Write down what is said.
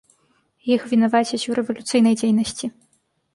Іх вінавацяць у рэвалюцыйнай дзейнасці.